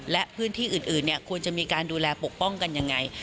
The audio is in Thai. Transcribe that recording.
และพื้นที่อื่นควรจะมีการดูแลปกป้องกันยังไง